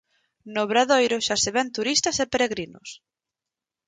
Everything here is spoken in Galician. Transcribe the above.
No Obradoiro xa se ven turistas e peregrinos.